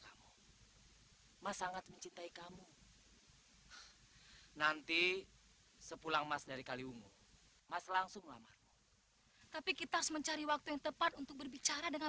pasti ini langsung berakhir